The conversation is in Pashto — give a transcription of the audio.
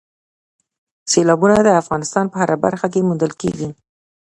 سیلابونه د افغانستان په هره برخه کې موندل کېږي.